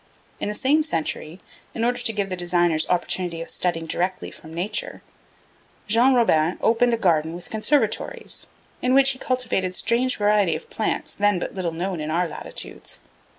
In the same century, in order to give the designers opportunity of studying directly from nature, Jean Robin opened a garden with conservatories, in which he cultivated strange varieties of plants then but little known in our latitudes.